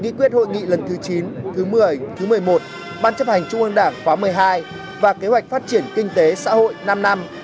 nghị quyết hội nghị lần thứ chín thứ một mươi thứ một mươi một ban chấp hành trung ương đảng khóa một mươi hai và kế hoạch phát triển kinh tế xã hội năm năm hai nghìn một mươi sáu hai nghìn hai mươi